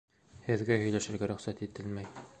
Һеҙгә һөйләшергә рөхсәт ителмәй!